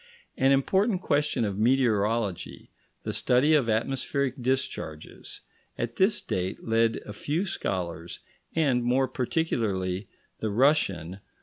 An important question of meteorology, the study of atmospheric discharges, at this date led a few scholars, and more particularly the Russian, M.